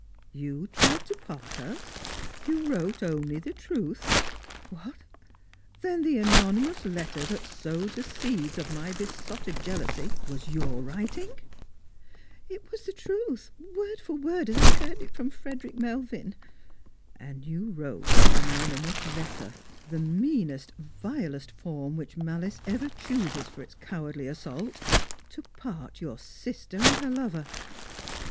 " You tried to part us — you wrote only the truth ! What ! Then the anonymous letter that sowed the seeds of my besotted jealousy was your writing ?"" It was the truth, word for word as I heard it from Frederick Melvin." " And you wrote an anonymous letter — the meanest, vilest 3SG Slranr/ers and Pihjriuis. form which mahce ever chooses for its cowardly assault — to part your sister and her lover